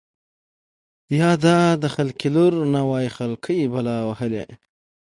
يا دا د خلقي لـور نه وای خـلقۍ بلا وهـلې.